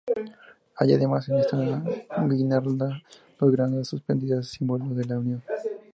Hay además en esta guirnalda dos granadas suspendidas, símbolo de la unión.